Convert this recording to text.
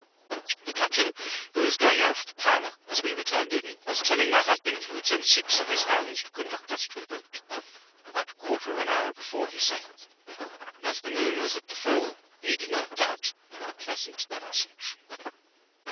The captain, who was going out of the parlour as we returned in, was telling my husband he would send six of his hands to conduct us to the boat, about a quarter of an hour before he sailed, and as the moon was at the full, he did not doubt of a pleasant passage.